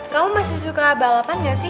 kamu masih suka balapan gak sih